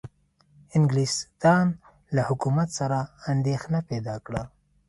انګلستان له حکومت سره اندېښنه پیدا کړه.